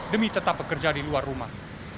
demi tetap bekerja di luar rumah